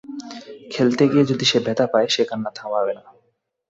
খেলতে গিয়ে যদি সে ব্যাথা পায়, সে কান্না থামাবে না।